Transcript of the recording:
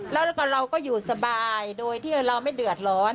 แล้วก็เราก็อยู่สบายโดยที่เราไม่เดือดร้อน